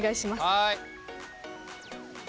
はい。